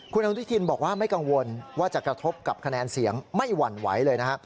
คุณอนุทินบอกว่าไม่กังวลว่าจะกระทบกับคะแนนเสียงไม่หวั่นไหวเลยนะฮะ